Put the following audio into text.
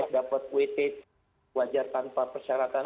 dapat wt wajar tanpa persyaratan